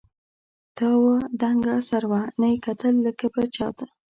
دا وه دنګه سروه، نې کتل له کبره چاته